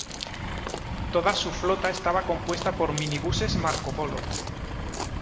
Toda su flota estaba compuesta por minibuses Marcopolo.